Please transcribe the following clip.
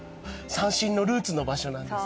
三線のルーツの場所なんですね。